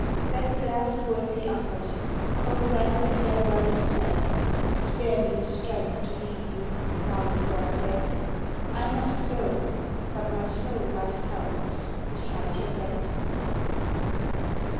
Let the last word be uttered, Oh grant the farewell is said! Spare me the strength to leave you Now you are dead. I must go, but my soul lies helpless Beside your bed.